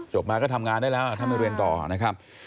มาก็ทำงานได้แล้วถ้าไม่เรียนต่อนะครับ